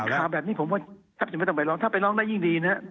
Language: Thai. ถ้าเป็นข่าวแบบนี้ผมว่าจะไม่ต้องไปร้องถ้าไปร้องได้ยิ่งดีนะ